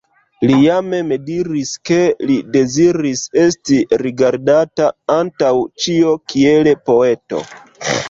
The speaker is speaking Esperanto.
Li ja mem diris ke li deziris esti rigardata, antaŭ ĉio, kiel poeto.